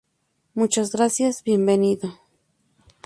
muchas gracias. bienvenido.